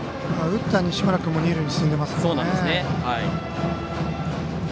打った西村君も二塁に進んでますからね。